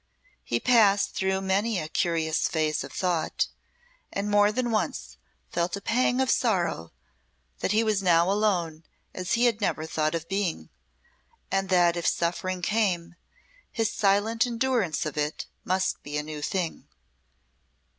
He passed through many a curious phase of thought, and more than once felt a pang of sorrow that he was now alone as he had never thought of being, and that if suffering came, his silent endurance of it must be a new thing.